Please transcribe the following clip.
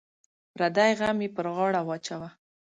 پردی غم یې پر غاړه واچوه.